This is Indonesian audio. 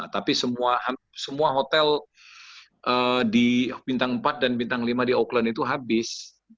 tapi semua hotel di bintang empat dan bintang lima di auckland itu habis